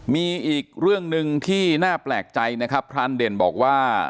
มีอีกเรื่องหนึ่งที่น่าแปลกใจนะครับพรานเด่นบอกว่า